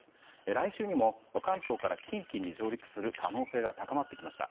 来週にも関東から近畿に上陸する可能性が高まってきました。